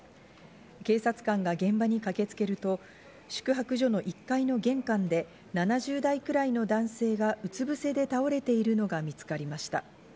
警察官が現場に駆けつけると、宿泊所の１階の玄関で７０代くらいの男性がうつぶせで倒れているのが見つかりました。